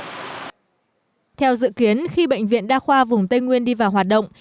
theo dự kiến khi bệnh viện đa khoa vùng tây nguyên đi vào hoạt động